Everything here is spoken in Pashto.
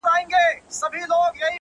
تـا كــړلــه خـــپـــره اشــــنـــــا!